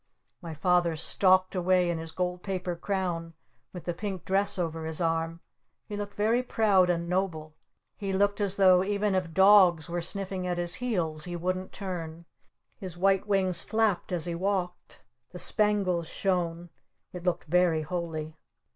My Father stalked away in his gold paper crown with the pink dress over his arm. He looked very proud and noble. He looked as though even if dogs were sniffing at his heels he wouldn't turn. His white wings flapped as he walked. The spangles shone. It looked very holy.